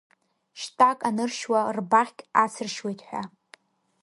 Шьтәак аныршьуа, рбаӷьк ацыршьуеит ҳәа…